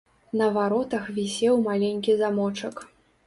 На варотах вісеў маленькі замочак.